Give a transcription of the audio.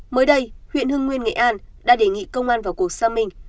mới đây huyện hưng nguyên nghệ an đã đề nghị công an vào cuộc xác minh